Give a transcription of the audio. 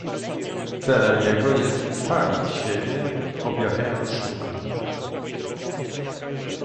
Celem jego jest utaić siebie, objawiając sztukę.